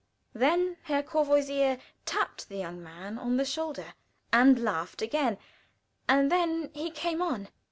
Then Herr Courvoisier tapped the young man on the shoulder and laughed again, and then he came on.